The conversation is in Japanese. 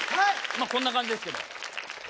まっこんな感じですけど。